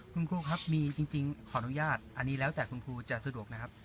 คุณครูครับมีจริงขออนุญาตอันนี้แล้วแต่คุณครูจะสะดวกนะครับ